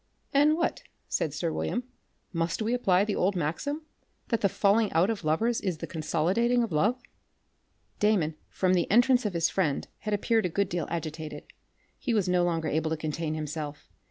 "And what," said sir William, "must we apply the old maxim, that the falling out of lovers is the consolidating of love?" Damon from the entrance of his friend had appeared a good deal agitated. He was no longer able to contain himself.